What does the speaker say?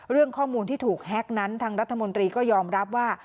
เรื่องข้อมูลที่ถูกแฮ็กนั้นทางรัฐมนตรีก็ยอมรับว่า